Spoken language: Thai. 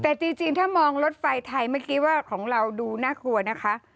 แต่จริงถ้ามองรถไฟไทยเมื่อกี้ว่าของเราดูน่ากลัวนะคะ